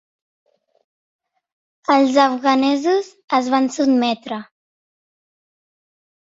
Els afganesos es van sotmetre.